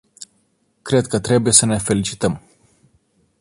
Cred că trebuie să ne felicităm.